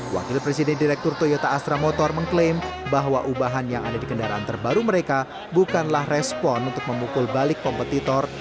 wakil presiden direktur toyota astra motor mengklaim bahwa ubahan yang ada di kendaraan terbaru mereka bukanlah respon untuk memukul balik kompetitor